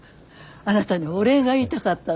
あなたにお礼が言いたかったの。